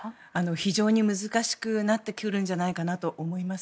非常に難しくなってくるんじゃないかなと思います。